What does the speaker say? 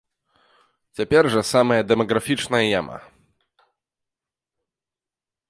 Цяпер жа самая дэмаграфічная яма.